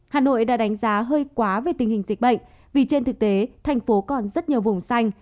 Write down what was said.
hà nội đã đánh giá hơi quá về tình hình dịch bệnh vì trên thực tế thành phố còn rất nhiều vùng xanh